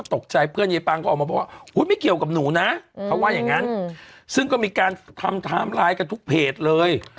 ตกใจเพื่อนเยปรางเกี่ยวกับหนูนะซึ่งก็มีการทำถามลายทุกเพจเลย